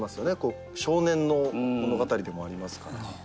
少年の物語でもありますから。